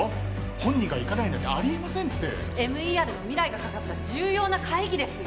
本人が行かないなんてありえませんってＭＥＲの未来がかかった重要な会議ですよ